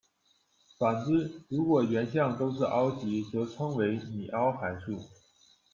反之如果原像都是凹集，则称为拟凹函数。